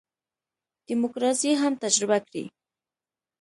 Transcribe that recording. دیموکراسي هم تجربه کړي.